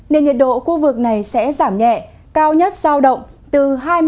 nên nhiệt độ khu vực này sẽ giảm nhẹ cao nhất giao động từ hai mươi